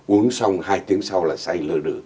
uống xong hai tiếng sau là say lơ đử